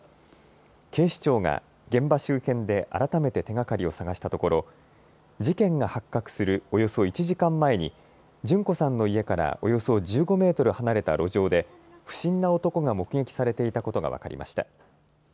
警視庁が現場周辺で改めて手がかりを探したところ事件が発覚するおよそ１時間前に順子さんの家からおよそ１５メートル離れた路上で不審な男が目撃されていたことが分かりました。